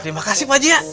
terima kasih pagi ya